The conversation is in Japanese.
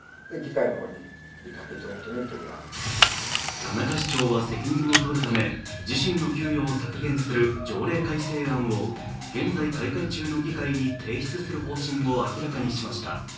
田中市長は責任を取るため、自身の給与を削減する条例改正案を現在開会中の議会に提出する方針を明らかにしました。